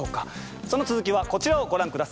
その続きはこちらをご覧下さい。